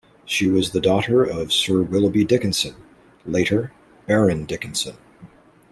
She was the daughter of Sir Willoughby Dickinson, later Baron Dickinson.